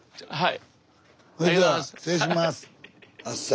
はい？